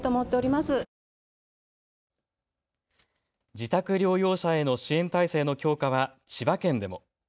自宅療養者への支援体制の強化は千葉県でも。